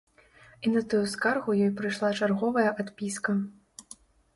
І на тую скаргу ёй прыйшла чарговая адпіска.